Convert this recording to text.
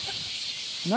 何？